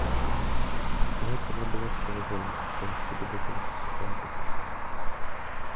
Jeho tělo bylo převezeno k pohřbu do baziliky svatého Petra.